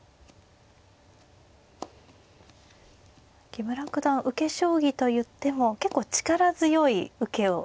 木村九段受け将棋といっても結構力強い受けを特徴とされていますし。